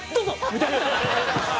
みたいな。